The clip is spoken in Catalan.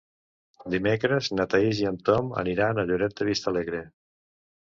Dimecres na Thaís i en Tom aniran a Lloret de Vistalegre.